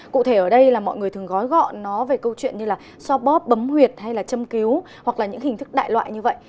cụ thể ở đây là mọi người thường gói gọn nó về câu chuyện như là so bóp bấm huyệt hay là châm cứu hoặc là những hình thức đại loại như vậy